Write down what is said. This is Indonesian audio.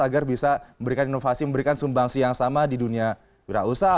agar bisa memberikan inovasi memberikan sumbangsi yang sama di dunia wirausaha